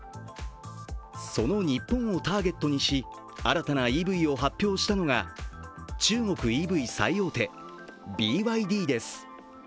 その日本をターゲットにし、新たなＥＶを発表したのが、中国のＥＶ最大手ＢＹＤです。